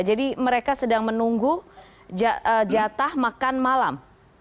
jadi mereka sedang menunggu jatah makan malam